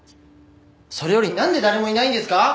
それよりなんで誰もいないんですか！？